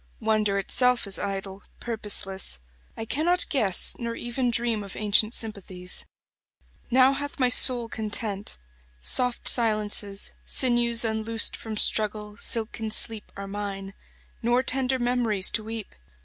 Wonder itself is idle, purposeless; I cannot guess Nor even dream of ancient sympathies. Now hath my soul content. Soft silences, Sinews unloosed from struggle, silken sleep, 27 Are mine; nor tender memories to weep.